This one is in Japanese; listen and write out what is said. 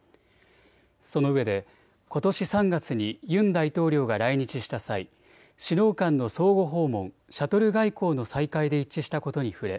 そのうえでことし３月にユン大統領が来日した際、首脳間の相互訪問、シャトル外交の再開で一致したことに触れ